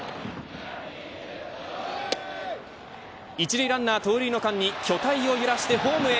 一塁ランナー盗塁の間に巨体を揺らしてホームへ。